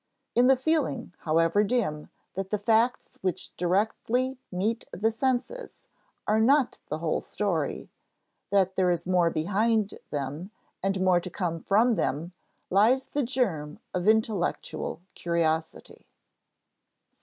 In the feeling, however dim, that the facts which directly meet the senses are not the whole story, that there is more behind them and more to come from them, lies the germ of intellectual curiosity.